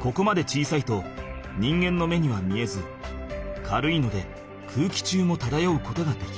ここまで小さいと人間の目には見えず軽いので空気中もただようことができる。